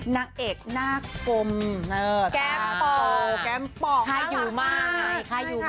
นางเอกหน้ากมแก้มป่อใครอยู่มาก